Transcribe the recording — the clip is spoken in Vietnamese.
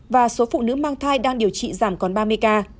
và số phụ nữ mang thai đang điều trị giảm còn ba mươi ca